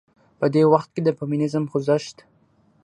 په دې وخت کې د فيمينزم خوځښت